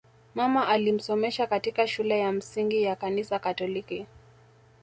Mama alimsomesha katika shule ya msingi ya Kanisa Katoliki